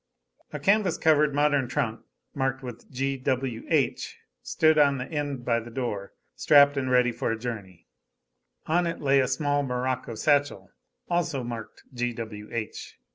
A canvas covered modern trunk, marked "G. W. H." stood on end by the door, strapped and ready for a journey; on it lay a small morocco satchel, also marked "G. W. H."